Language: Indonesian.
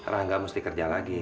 rangga mesti kerja lagi